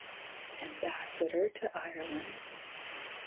Ambassador to Ireland.